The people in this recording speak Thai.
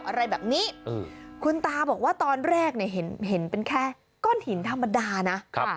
อะไรแบบนี้คุณตาบอกว่าตอนแรกเนี่ยเห็นเป็นแค่ก้อนหินธรรมดานะ